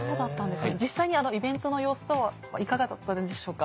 実際にイベントの様子等はいかがだったでしょうか？